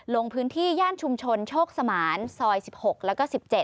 ลงพื้นที่ย่านชุมชนโชคสมานซอย๑๖แล้วก็๑๗